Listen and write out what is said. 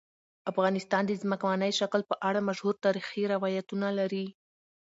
افغانستان د ځمکنی شکل په اړه مشهور تاریخی روایتونه لري.